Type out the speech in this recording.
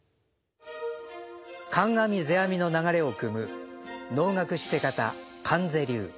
観阿弥世阿弥の流れをくむ能楽シテ方観世流。